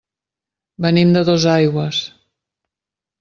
Venim de Dosaigües.